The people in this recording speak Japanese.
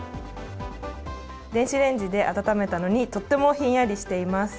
電子レンジで温めたのに、とってもひんやりしています。